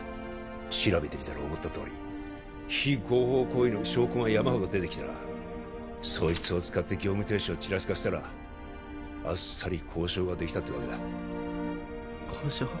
調べてみたら思ったとおり非合法行為の証拠が山ほど出てきてなそいつを使って業務停止をチラつかせたらあっさり交渉ができたってわけだ交渉？